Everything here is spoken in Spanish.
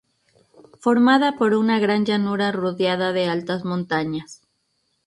Formada por una gran llanura rodeada de altas montañas.